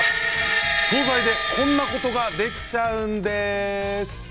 総菜でこんなことができちゃうんです。